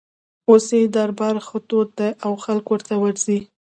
اوس یې دربار ښه تود دی او خلک ورته ورځي.